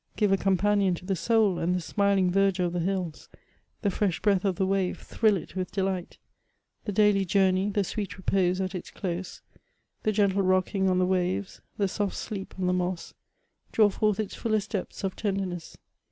Give a companion to the soul, and the smiling verdure of the hills, the fresh breath of the wave, thrill it with delight ; the daily journey, the sweet repose at its close, the gentle rocking on the waves, the soft sleep on the moss, draw forth its fullest depths of tenderness.